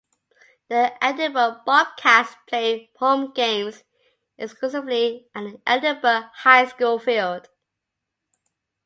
The Edinburg Bobcats played home games exclusively at the Edinburg High School Field.